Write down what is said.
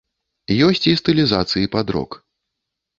Ёсць і стылізацыі пад рок.